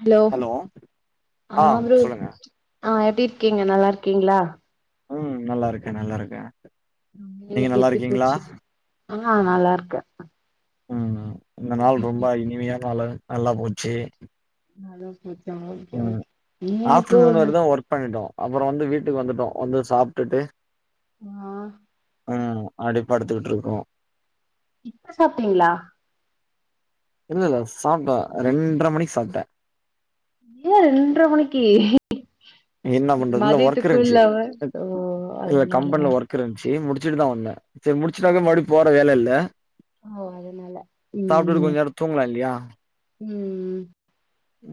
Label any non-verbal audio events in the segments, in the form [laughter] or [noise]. Hello ஆ ஆமா bro சொல்லுங்க ஆ எப்டி இருக்கீங்க நல்லா இருக்கீங்ளா ம் நல்லா இருக்கே நல்லா இருக்கே ம் நீங்க இன்னக்கி நல்லா எப்டி இருக்கீங்களா? போச்சு ஆ நல்லா இருக்கே ம் இந்த நாள் இன்னைக்கு எப்டி ரொம்ப இனிமையான நாளா நல்லா போச்சி நல்லா போச்சா ஓகே ஓகே நீங்க எனக்கோ ஒன்னு பண்ணிட்டோ அப்பறோ வந்து வீட்டுக்கு வந்துட்டோ வந்து சாப்ட்டுட்டு ஆ ம் அப்டியே படுத்துக்கிட்டு இருக்கோ இப்ப சாப்ட்டீங்ளா இல்ல இல்ல சாப்ட்டே ரெண்ற மணிக்கு சாப்ட்டே ஏ ரெண்ற மணிக்கு என்ன பண்றது இல்ல ஒர்க் மதியத்துக்கு இருந்துச்சு. இல்லாம சோ அதனாலயா இருந்துச்சி முடிச்சுட்டுதா வந்தே செரி ஆ முடிச்சுட்டாக்க மறுபடி போற வேல இல்ல ஓ அதனால சாப்டுட்டு கொஞ்ச நேரோ தூங்கலா இல்லயா ம் ம்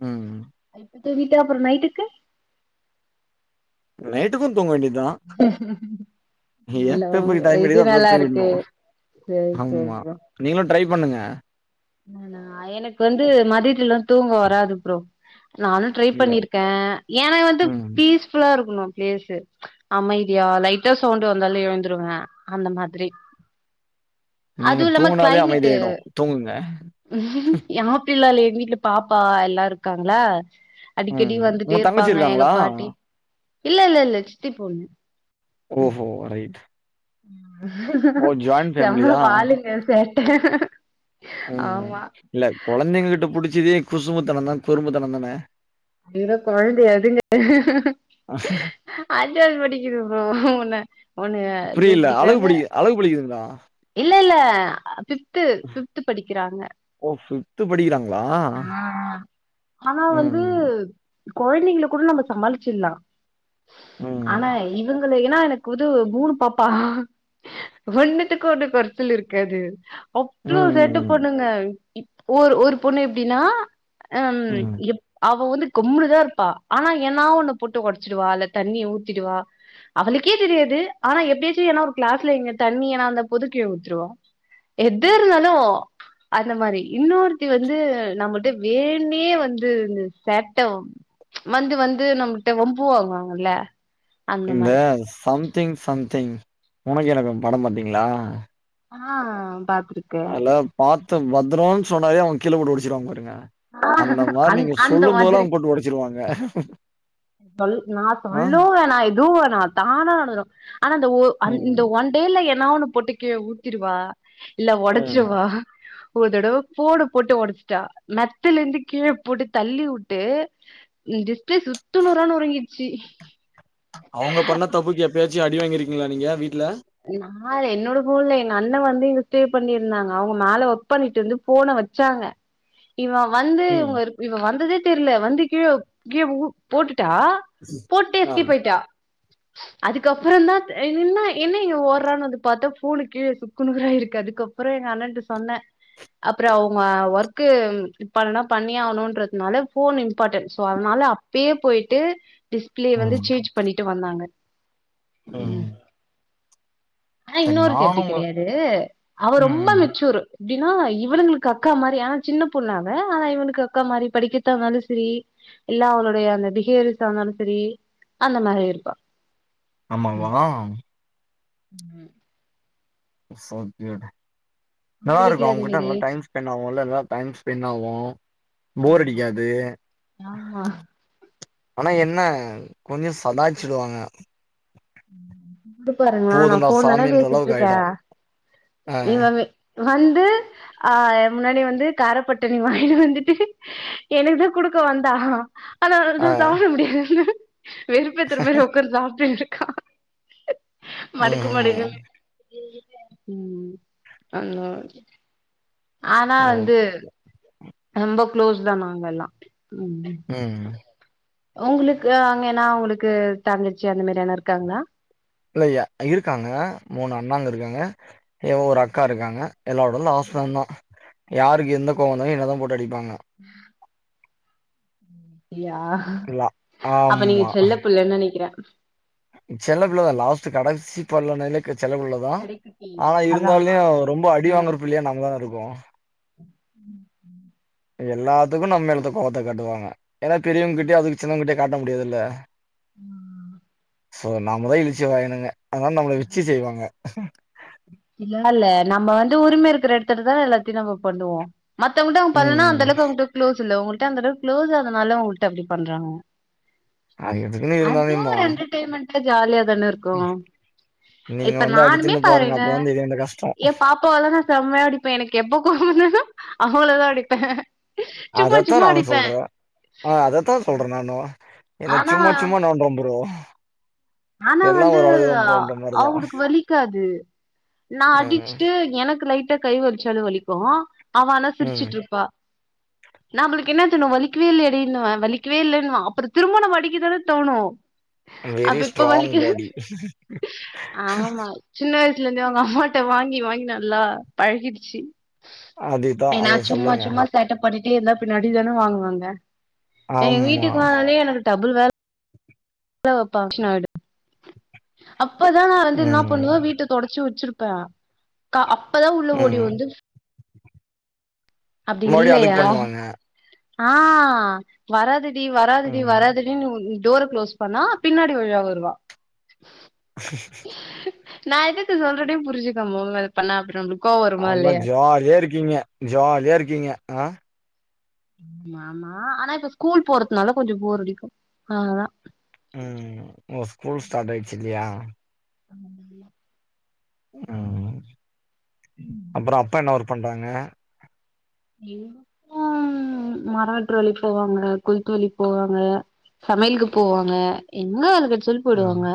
ம் இப்ப தூங்கிட்டா அப்பறோ நைட்டுக்கு நைட்டுக்கும் தூங்க வேண்டியது தான் ஹ நல்லா எப்ப எப்ப உங்க டைம் இது கிடைக்குதோ அப்பதான் நல்லா இருக்கு தூங்கிடணும். சேரி ஆமா சேரிபா நீங்களும் ட்ரை பண்ணுங்க ஆனா எனக்கு வந்து மதித்துலாம் தூங்க வராது ப்ரோ நானும் ட்ரை இல்ல. பண்ணிருக்கேன் ஏன்ன வந்து ம். பீஸ் ஃபுல்லா இருக்கணும் பிளேஸ்சு அமைதியா லைட்டா சவுண்ட் வந்தாலும் எழுந்துருவ அந்த மாதிரி நீங்க அதுவு தூங்குனாலே அமைதியா ஆய்டும் தூங்குங்க ம் எ மோப்பிள்ளாலே எ வீட்டல பாப்பா எல்லாம் இருக்காங்களா அடிக்கடி ம். உங்க வந்துட்டே தங்கச்சி இருப்பாங்க எங்க இருக்காங்களா? பாட்டி இல்ல இல்ல இல்ல சித்தி பொண்ணு ஓஹோ ரைட் ஓ! ஜாயிண்ட் செம்ப ஃபேமிலியா? வாளுங்க சேட்ட ம். ஆமா இல்ல குழந்தைங்க கிட்ட புடிச்சதே குசுபுத்தனம் தான் குரும்புத்தனம் தானே அதுங்க குழந்தையா அதுங்க ஆஹ அஞ்சாது படிக்குதுங்க ப்ரோ உண்ண ஒண்ணு அஞ்சாவது படிக்கிறாங்க அவ்ளோ படிக்ககுதுங்களா இல்ல இல்ல அ பிஃப்து பிஃப்து படிக்கிறாங்க ஓ சரி பிஃப்த்து படிக்கிறாங்களா ஆ ஆனா வந்து ம். குழந்தைகள கூட நம்ம சமாளிச்சிடலாம் ம். ஆனா ம். இவுங் களே ஏன்னா எனக்கு உது மூணு பாப்பா ஒண்ணுத்துக்கு ஒன்னு கொறச்சல் இருக்காது அவ்ளோ ம். சேட்ட ம். பண்ணுங்க ஒரு ஒரு பொண்ணு எப்டின்னா ஹம் ம். அவ வந்து கம்முனுதான் இருப்பா ஆனா ஏன்னா ஒண்ணு போட்டு ஒடச்சிடுவா இல்ல தண்ணிய ஊத்திடுவா அவளுக்கே தெரியாது ஆனா எப்படியாச்சும் ஏன்னா ஒரு கிளாஸ்ல இங்க தண்ணி ஏனா அந்த போது கீழ ஊத்திருவா எது இருந்தாலும் அந்த மாரி இன்னொரு த்தி வந்து நம்மிட்ட வேன்னே வந்து இந்த சேட்டம் வந்து வந்து நம்கிட்ட வம்பவாங்குவாங்கல இந்த சம்திங் சம்திங் உனக்கு எனக்கும் படம் பாத்தீங்களா ஆ பாத்திரு அல்ல பாத்து பத்தரோம்ன்னு சொன்னாலே அவு கீழே போட்டு ஒடிச்சிருவாங்க பாருங்க அந்த மாரி அந் நீங்க அந்த சொல்லும் போதல்லா மாதிரி அவுங்க போட்டு ஒடச்சிருவாங்க சொல் நான் சொல்லுவன் நான் எதுவும் நான் தானா அலுதுடும் ஆனா இந்த ஒ அந் ம் இந்‌‌‌த ஒன் மேல்ல ஏன்னா ஒண்ணு போட்டுக்கு கீழ ஊத்திருவா இல்ல ம். ஒடச்சிருவா ஒர்தடவ ஃபோன போட்டு உடைச்சிட்டா மெத்தைல இருந்து கீழ போட்டு தள்ளி விட்டு எ டிரஸ்ஸே சுத்தி சுக்கு நூறா நொறுங் கிச்சி அவுங்க பண்ண தப்புக்கு எப்பயாச்சி அடி வாங்கிருக்கீங்களா நீங்க வீட்ல நான் என்னோட ஃபோன் இல்ல எங்க அண்ண வந்து இங்க சீர் பண்ணிருந்தாங்க அவுங்க மேல ஒர்க் பண்ணிட்டு இருந்து போன வச்சாங்க இவன் வந்து ம் இவங்க இவ வந்ததே தெர்ல வந்து கீழ கீழ போட்டுட்டா போட்டு ஆ. எஸ்கேப்பாயிட்டா அதுக்கப்புற தா இது என்னாயி என்ன இவ ஓற்றான்னு வந்து பாத்தா போனு கீழ சுக்குனூராயிருக்கு அதுக்கப்புறோ எங்க அண்ணன்ட்ட சொன்ன அப்புறோ அவங்க ஒர்க்கு இப்ப பண்ணணு பண்ணியே ஆவணுன்றதுனால போன் இம்பார்ட்டன்ட் சோ அதனால பயே போயிட்டு டிஸ்பிளே வந்து ம். சேஞ்ச் பண்ணிட்டு வந்தாங்க ம் ஆனா சரி இன்னொருத்தி அப்டி நானும் உங்க கெடையாது அவ ரொம்ப ம். மெச்சூரு எப்டினா இவளுங்ளுக்கு அக்கா மாரி ஆனா சின்ன பொண்ணு அவ ஆனா இவனுக்கு அக்கா மாரி படிக்கற்த்தாந்தாலு‌சரி இல்லா அவளுடைய அந்த பிஹேவியர்ஸ் இருந்தாலு சரி அந்த மாரி இருப்பா ஆமாவா ம் சோ கியூட் உங்க நல்லா இருக்கு வீட்ல அது அவங்கிட்ட மாரி நல்லா டைம் ஸ் பென்னாவுல்லா டைம் ஸ்பெண்ட் ஆவு போர் அடிக்காது ஆமா ஆனா என்ன கொஞ்சோ சதாச்சிடுவாங்க இத பாருங்களா நா போதும்டா போன் தானே சாமின்ற அளவுக்கு பேசிட்டுருக்கே ஆயிடும். அ இவ வெ வந்து ஆஹ் எ முன்னாடி வந்து காரப்பட்டணி வாங்கினு வந்துட்டு எனக்கு தா குடுக்க வந்தா ஆனா அ. என்னால்தா சாப்ட முடியாது வெறுப்பேத்துற மாரி உக்காந்து சாப்ட்டுட்ருக் மடக்குமடகுனு ம்ஹ்ம். உம் நல்லாரு ஆனா ஓ. வந்து ரொம்ப க்ளோஸ் தா நாங்கெல்லா ம் ம் உங்ளுக்கு அங்க ஏனா உங்ளுக்கு தங்கச்சி அந்த மாரி யார்னா இருக்காங்ளா இல்லையா இருக்காங்க மூணு அண்ணாங்க இருக்காங்க ஏ ஒரு அக்கா இருக்காங்க எல்லாரோட லாஸ்ட் நாந்தா யாருக்கு எந்த கோவந்தாயு என்ன தா போட்டு அடிப்பாங்க உம் யா இல்ல அப்ப நீங்க ஆமா செல்ல புள்ள என்ன நெனைக்கிற செல்ல புள்ளதா லாஸ்ட்டு கடைசி பள்ளனாலே கெ செல்லபுள்ளதா கடைக்குட்டி ஆனா அதா இருந்தாலியு ரொம்ப அடி ஆ வாங்குற பிள்ளையா நங்கதா இருக்கோ எல்லாத்துக்கு நம்ம மேலதா கோவத்த காட்டுவாங்க ஏனா பெரியவங்க கிட்டயே அதுக்கு சின்னவங்கிட்டயே காட்ட முடியாதுல்ல ஹா சோ நாம தா இழுச்சி வாயினுங்க அதானால நம்மள வெச்சி செய்வாங்க அப்டிலா இல்ல நம்ம வந்து உரிம இருக்கிற இடத்துல தான எல்லாத்தையும் நம்ம பண்ணுவோ மத்தவங்கிட்ட அவங் ம் பண்ணலா ம் அந்தளவு அவங்கிட்ட குளோஸ் இல்ல உங்களிட்ட அந்தளவுக்குளோஸ் அதனால உங்ககிட்ட அப்டி பண்றாங்க அது எதுக்குன்னு அதுவு இருந்தாலும்மா ஒரு என்டர்டெயின்மெண்டா ஜாலியா தான இருக்கு நீங்க இப்ப வந்து நானுமே அடித்தின்னு பாருங்க அப்ப வந்து இது இந்த கஷ்டோ ஏ பாப் அப்போவல்லா நா செம்மையா அடிப்பே எனக்கு எப்ப கோவோவந்ததோ அவளதா அடிப்பே சும்மா சும்மா அடிப்பே ஆஹ் அதத்தா சொல்றே நானு என்ன ஆனா சும்மா சும்மா நோண்றா ப்ரோ ஆனா எல்லா வந்து ஒரு அளவுதா ப்ரோன்ற மாரிதா அவங்களுக்கு வலி இருக்காது நா ம் அடிச்சிட்டு எனக்கு லைட்டா கை வலிச்சாலு வலிக்கு அவ ஆனா ம் சிரிச்சுட்டுருப்பா நாம்பளுக்கு என்ன தோணு வலிக்குவே இல்லயாடின்னுவ வலிக்கவேல்லன்னுவா அப்பற திரும்பவு நம்ப அடிக்க தானே தோணு அப்ப வெரிஸ்ட்டு இப்ப வலிக்குது ஆமா சின்ன வயசுல இருந்தே அவுங்க அம்மாட வாங்கி வாங்கி நல்லா பழகிருச்சு அதுதான் ஏனா அத சும்மா சொல்லுங்க. சும்மா சேட்ட பண்ணிடே இருந்தா பின்ன அடிதான வாங்குவாங்க எங்க ஆமா. வீட்டுக்கு வராலே எனக்கு டபுள் வே ல வப்பா ஷ்னு ஆயிடு அப்பதா நா வந்து என்ன ம். பண்ணுவே வீட்ட தொடைச்சி வச்சிருப்பே கா அப்பதா உள்ள ஓடி ம். வந்து அப்டி மறுபடியும் அழுக்கு இல்லயா பண்ணுவாங்க. ஆ வராதடி வராதடி ம். வராதடினு உ டோர க்ளோஸ் பண்ணா பின்னாடி வழியா வருவா நா எதுக்கு சொல்றேனே புரிஞ்சுக்காம மோங் பண்ணா அப்பறம் ஆமா ஜாலியா இருக்கீங்க ஜாலியா இருக்கீங்க ஆ மா மா ஆனா இப்ப ஸ்கூல் போறதுனால கொஞ்சோ போர் அடிக்கு ஆ ஹா ம் ஓ ஸ்கூல் ஸ்டார்ட் ஆயிடுச்சு இல்லயா அம்மம்மா ம் அப்பறோ அப்பா என்ன ஒர்க் பண்றாங்க இவ் அம் மராற்று வேலைக்கு போவாங்க கொளுத்து வேலைக்கு போவாங்க சமையலுக்கு போவாங்க என்ன வேல கெடச்சாலு ம் போயிடுவாங்க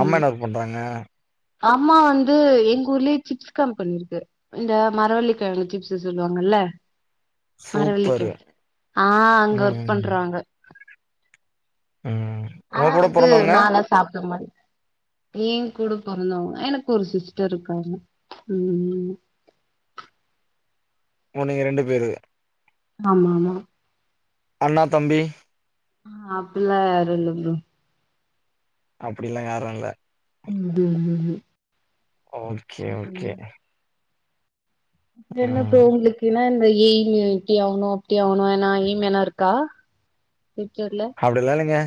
அம்மா என்ன ஒர்க் பண்றாங்க அம்மா வந்து எங்க ஊர்லயே சிப்ஸ் கம்பெனி இருக்கு இந்த மரவள்ளிக்கெழங்கு சிப்ஸு சொல்லுவாங்கல்ல மரவள்ளிக்கெ சூப்பரு. ஆ அங்க ஒர்க் ம். பண்றாங்க ம் உங்க ஆனா கூட வந்து பொறந்தவங்க? நால்லா சாப்ட மாட்டே ஏ கூட பொறந்தவுங்க எனக்கு ஒரு சிஸ்டர் இருக்காங்க ம் ம் ஓ நீங்க ரெண்டு பேரு ஆமாமா அண்ணா தம்பி ஆ அப்பில்லா யாரு இல்ல ப்ரோ அப்டி எல்லா யாரு இல்ல உண்டு உ உ ஓகே ஓகே என்ன ப்ரோ ம். உங்களுக்கு ஏனா இந்த எய்மு இப்டி ஆகணு அப்டி ஆகணு எனா எய்ம் எனா இருக்கா ஃப்யூச்சர்ல அப்டில்லா இல்லைங்க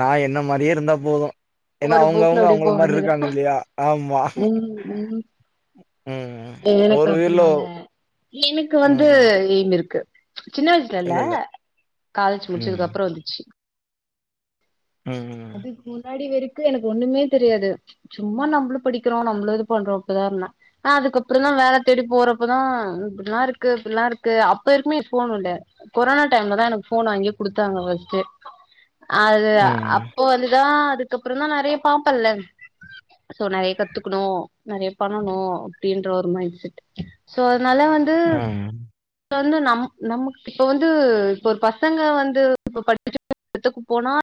நா என்ன மாரியே இருந்தா போது ஏனா ஒரு போக்குல அவுங்கவுங்க அப்டியே அவுங்கள போ மாரி வேண்டியதா இருக்காங்க இல்லையா ஆமா ம் ம் ம் ம் எனக்கு அப்டிலால்ல எனக்கு வந்து ம் எய்ம் இருக்கு சின்ன வயசுல இல்ல காலேஜ் முடிச்சதுக்கு ம் அப்பறோ வந்துச்சு ம் அதுக்கு முன்னாடி வரைக்கு எனக்கு ஒண்ணுமே தெரியாது சும்மா நம்மளு படிக்கிறோ நம்மளு இது பண்றோ இப்டிதா இருந்தே அதுக்கப்பற தா வேல தேடி போறப்பதா இப்டிலா இருக்கு இப்டிலா இருக்கு அப்ப இருக்குமே இப்ப ஃபோனு இல்ல கொரோனா டைம்ல தா எனக்கு ஃபோன் வாங்கி குடுத்தாங்க ஃபஸ்ட்டு அது ம் அப் போ வந்துதா அதுக்கப்பறோ தா நெறைய பாப்பல்ல சோ நெறைய கத்துக்கணு நெறைய பண்ணணு அப்டின்ற ஒரு மைண்ட் செட் சோ அதனால வந்து ம் இப்ப வந்து நம் நம்க் இப்ப வந்து இப்ப ஒரு பசங்க வந்து இப்ப [inaudible] எடத்துக்கு போனா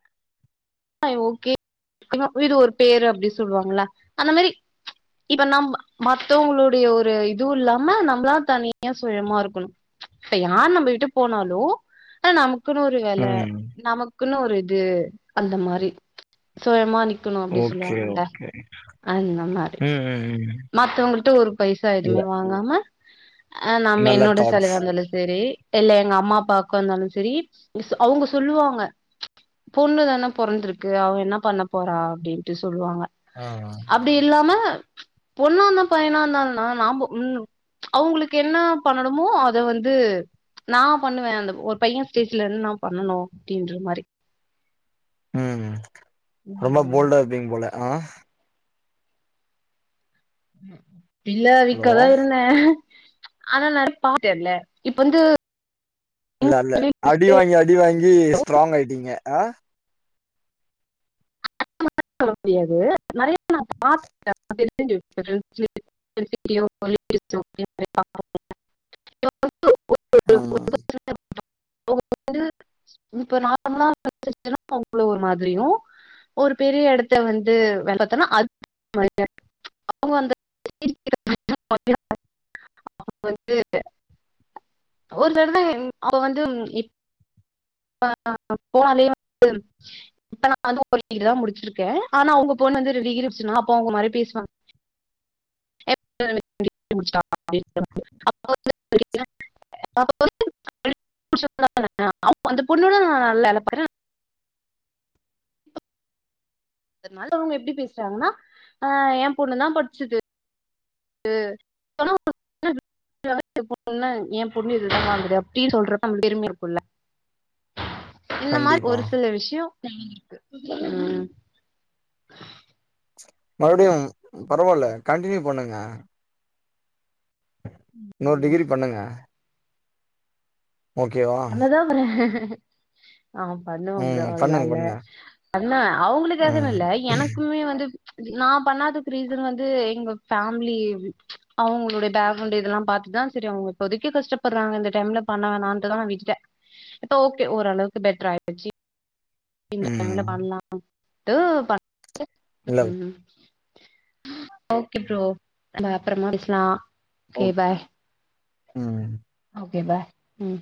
ஓகே [inaudible] இது ஒரு பேரு அப்டி சொல்லுவாங்களா அந்த மாரி இப்ப நம் மத்தவங்களுடைய ஒரு இது இல்லாம நம்ளா தனியா சுயமா இருக்கணு இப்ப யார் நம்ம விட்டு போனாலு ஆ நமக்குன்னு ஒரு வேல ம் நமக்குன்னு ஒரு இது அந்த மாரி சொயமா நிக்கணு அப்டி ஓகே சொல்லுவாங்கல்ல ஓகே அந்த மாரி ம் ம் ம் மத்தவங்கள்ட்ட ஒரு பைசா இல்ல எதுவுமே வாங்காம அ நாம்ம நல்ல என்னோட தாட்ஸ் செலவா இருந்தாலு சேரி இல்ல எங்கம்மா அப்பாக்கு இருந்தாலு செரி அவுங்க சொல்லுவாங்க பொண்ணு தான பொறந்திருக்கு அவ என்ன பண்ண போறா அப்டின்ட்டு சொல்லுவாங்க ம் அப்டி இல்லாம பொண்ணா இருந்தா பைனா இருந்தாலு நாம ஆம்போ ம் அவுங்களுக்கு என்னா பண்ணணுமோ அத வந்து நா பண்ணுவே அந்த ஒரு பைய ஸ்டேஜ்ல இருந்து நா பண்ணனு அப்டின்ற மாரி ம் ரொம்ப ம் போல்டா இருப்பீங்க போல அ இல்ல விக்கு ஹலோ அதாவ்து என்ன ஆனா நட [inaudible] இல்ல இப்ப வந்து இல்லல்ல அடி வாங்கி அடி வாங்கி ஸ்ட்ராங் ஆயிட்டீங்க அ [inaudible] முடியாது நெறையா [inaudible] நா பாத் [inaudible] [inaudible] ஆ [inaudible] இப்ப நார்மலான்னா [inaudible] அவ்ங்ள ஒரு மாதிரியு ஒரு பெரிய எடத்த வந்து வேண்டாத்தனோ அ [inaudible] [inaudible] வந்து ஒரு தடவ அவ வந்து இப் [inaudible] இப்ப நா வந்து ஒரு டிகிரி தா முடிச்சிருக்கே ஆனா அவுங்க பொண்ணு வந்து ரெண்டு டிகிரி வெச்சிருந்தாங்க அப்போ அவுங்க ஒரு மாரி பேசுவாங்க [inaudible] [inaudible] அந்த பொண்ணவுட [unintelligible] அதனால அவுங்க எப்டி பேசுறாங்கன்னா அ எ பொண்ணு தா படிச்சுது து [inaudible] [inaudible] பொண்ணு ஏ பொண்ணு இதுதாவாகுது அப்டின் சொல்றப்பா [inaudible] பெருமையா இருக்கும்ல்ல இந்த மாரி கண்டிப்பா ஒரு சில விஷ்யோ இருக்கு மறுபடியும் பரவால்ல கண்டினியூ பண்ணுங்க இன்னுரு டிகிரி பண்ணுங்க ஓகேவா பண்ணதா போறே ஆ பண்ணுவே ப்ரோ ம் ஒரு பண்ணுங்க நாளு பண்ணுங்க பண்ணுவ அவுங்களுக்காகன்னு ம் இல்ல எனக்குமே வந்து நா பண்ணாதுக்கு ரீசன் வந்து எங்க ஃபேம்லி அவுங்களுடைய பேக்ரவுண்ட் இதெல்லா பாத்துதா செரி அவுங்க இப்போதைக்கு கஷ்டப்பட்றாங்க இந்த டைம்ல பண்ண வேணான் டுதா நா விட்டுட்டே இப்ப ஓகே ஓரளவுக்கு பெட்டர ஆய்டுச்சி இந்த டைம்ல ம் பண்லாம் ட்டு இல்ல [inaudible] ம் ஓகே ப்ரோ நம்ம அப்றமா பேசலா ஓ ஓகே பாய் ம் ஓகே பாய் ம்